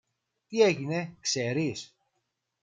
Τι έγινε, ξέρεις;